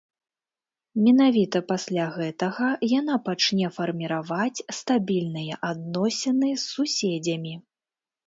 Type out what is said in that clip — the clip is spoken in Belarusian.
Менавіта пасля гэтага яна пачне фарміраваць стабільныя адносіны з суседзямі.